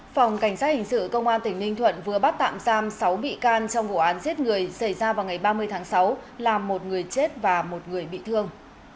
phòng cảnh sát hình sự công an tỉnh ninh thuận vừa bắt tạm giam sáu bị can trong vụ án giết người xảy ra vào ngày ba mươi tháng sáu làm một người chết và một người bị thương